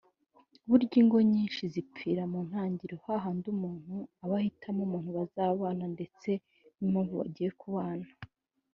Burya ingo nyinshi zipfira mu ntangiriro hahandi umuntu aba ahitamo umuntu bazabana ndetse n’impamvu bagiye kubana